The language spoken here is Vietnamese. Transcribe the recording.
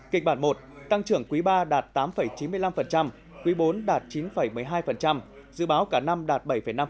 kịch bản một tăng trưởng quý ba đạt tám chín mươi năm quý bốn đạt chín một mươi hai dự báo cả năm đạt bảy năm